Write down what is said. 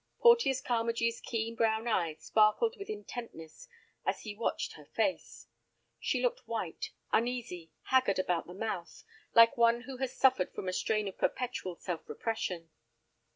Porteus Carmagee's keen brown eyes sparkled with intentness as he watched her face. She looked white, uneasy, haggard about the mouth, like one who has suffered from the strain of perpetual self repression.